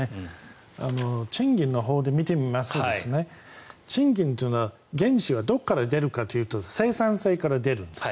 賃金のほうで見てみますと賃金というのは原資はどこから出るかというと生産性から出るんです。